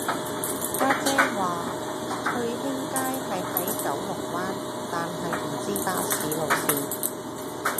家姐話翠興街係喺九龍灣但係唔知巴士路線